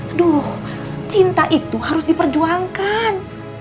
aduh cinta itu harus diperjuangkan